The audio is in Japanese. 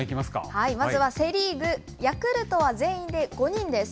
はい、まずはセ・リーグ、ヤクルトは全員で５人です。